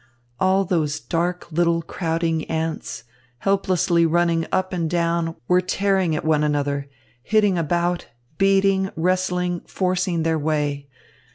All those dark little crowding ants, helplessly running up and down, were tearing at one another, hitting about, beating, wrestling, forcing their way.